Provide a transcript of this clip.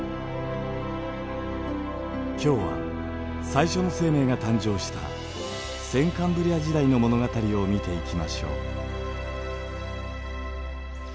今日は最初の生命が誕生した先カンブリア時代の物語を見ていきましょう。